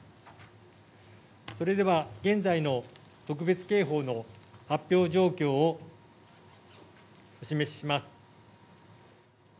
それでは、現在の特別警報の発表状況をお示しします。